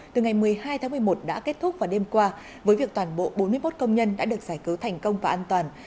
từ ngày một mươi hai tháng một mươi một đã kết thúc vào đêm qua với việc toàn bộ bốn mươi một công nhân đã được giải cứu thành công và an toàn